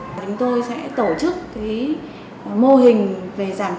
chúng tôi sẽ tổ chức mô hình về giảm trị